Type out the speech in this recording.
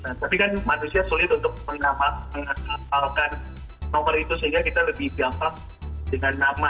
nah tapi kan manusia sulit untuk mengapalkan nomor itu sehingga kita lebih gampang dengan nama